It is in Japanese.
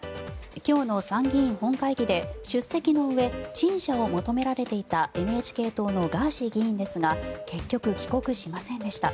今日の参議院本会議で出席のうえ陳謝を求められていたＮＨＫ党のガーシー議員ですが結局、帰国しませんでした。